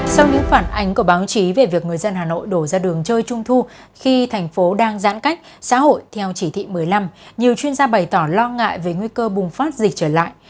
sau những phản ánh của báo chí về việc người dân hà nội đổ ra đường chơi trung thu khi thành phố đang giãn cách xã hội theo chỉ thị một mươi năm nhiều chuyên gia bày tỏ lo ngại về nguy cơ bùng phát dịch trở lại